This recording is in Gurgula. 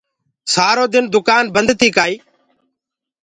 سآرو دن دُڪآن بنٚد تيٚ ڪآئيٚ